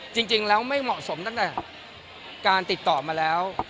จริงแล้วไม่เหมาะสมตั้งแต่การติดต่อมาแล้ว